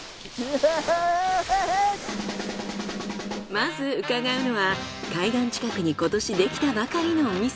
まず伺うのは海岸近くに今年できたばかりのお店。